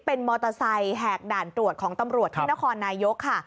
เป็นมอเตอร์ไซค์แหกด่านตรวจของตำรวจที่นครนายกค่ะ